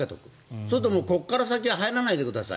そうするとここから先は入らないでください